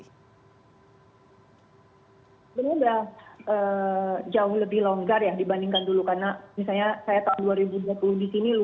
nah kita sudah tahu sebenarnya sudah jauh lebih longgar ya dibandingkan dulu